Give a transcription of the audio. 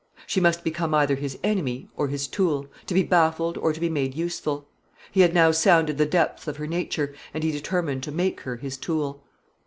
She must become either his enemy or his tool, to be baffled or to be made useful. He had now sounded the depths of her nature, and he determined to make her his tool.